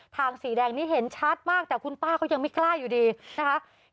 สีแดงนี้เห็นชัดมากแต่คุณป้าก็ยังไม่กล้าอยู่ดีนะคะ